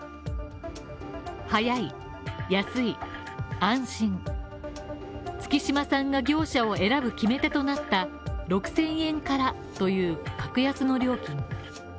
早い、安い、安心、月島さんが業者を選ぶ決め手となった６０００円からという格安の料金